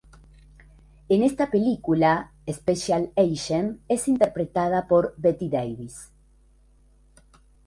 En esta película "Special Agent" es interpretada por Bette Davis.